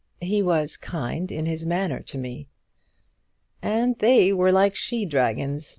"He was kind in his manner to me." "And they were like she dragons.